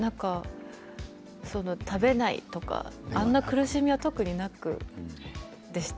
食べないとか、あんな苦しみは特になくでした。